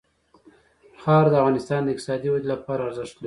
خاوره د افغانستان د اقتصادي ودې لپاره ارزښت لري.